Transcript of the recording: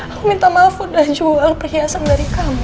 aku minta maaf dan jual perhiasan dari kamu